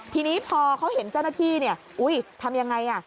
ทีนี้พอเขาเห็นเจ้าหน้าที่ทำอย่างไร